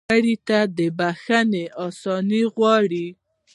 مړه ته د بښنې آساني غواړو